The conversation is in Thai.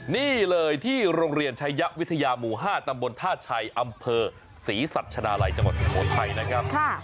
นี่เลยที่โรงเรียนชายะวิทยาหมู่๕ตำบลท่าชัยอำเภอศรีสัชนาลัยจังหวัดสุโขทัยนะครับ